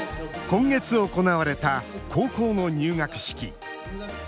今月、行われた高校の入学式。